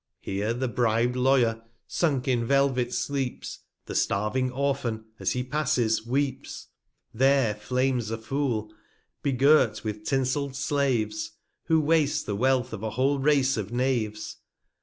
Here the brib'd Lawyer, sunk in Velvet, sleeps 7] The starving Orphan, as he passes, weeps ; There flames a Fool, begirt with tinsilled Slaves, Who wastes the Wealth of a whole Race of Knaves.